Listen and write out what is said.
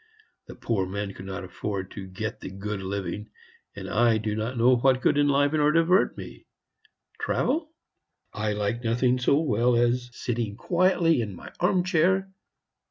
The poor man could not afford to get the good living, and I do not know what could enliven or divert me. Travel? I like nothing so well as sitting quietly in my arm chair.